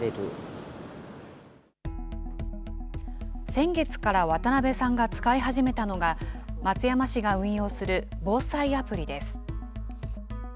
先月から渡部さんが使い始めたのが、松山市が運用する防災アプリです。